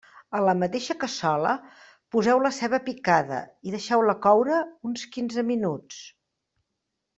A la mateixa cassola poseu la ceba picada i deixeu-la coure uns quinze minuts.